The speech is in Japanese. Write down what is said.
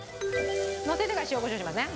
のせてから塩コショウしますね。